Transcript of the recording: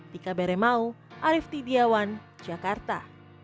dika bere mau arief tidjawan jakarta